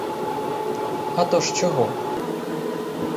А то ж чого?